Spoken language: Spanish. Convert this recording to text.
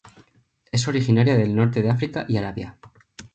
Es originaria del Norte de África y Arabia.